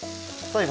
はい。